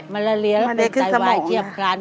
มันละเลี้ยแล้วเป็นไตวายเทียบคลัน